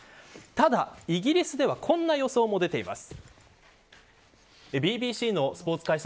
ただイギリスでは今の予想も出ています。